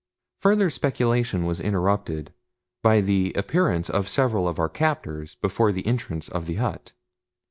Further speculation was interrupted by the appearance of several of our captors before the entrance of the hut.